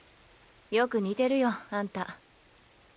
よく似てるよあんた。